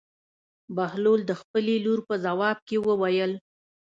بهلول د خپلې لور په ځواب کې وویل.